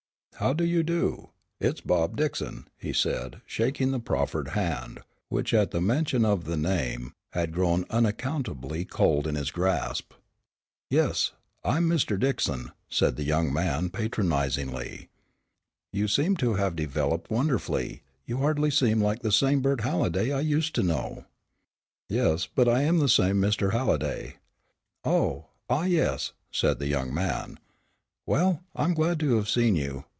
"How do you do? It's Bob Dickson," he said, shaking the proffered hand, which at the mention of the name, had grown unaccountably cold in his grasp. "Yes, I'm Mr. Dickson," said the young man, patronizingly. "You seem to have developed wonderfully, you hardly seem like the same Bert Halliday I used to know." "Yes, but I'm the same Mr. Halliday." "Oh ah yes," said the young man, "well, I'm glad to have seen you.